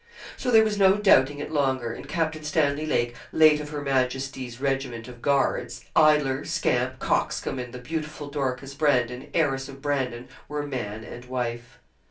So there was no doubting it longer: and Captain Stanley Lake, late of Her Majesty's Regiment of Guards, idler, scamp, coxcomb, and the beautiful Dorcas Brandon, heiress of Brandon, were man and wife.